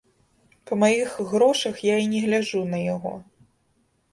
Па маіх грошах я і не гляджу на яго.